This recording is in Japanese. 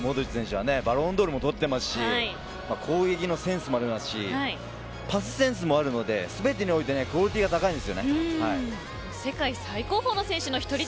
モドリッチ選手はバロンドールも取っていますし攻撃のセンスもありますしパスセンスもあるので全てにおいてクオリティーが高いです。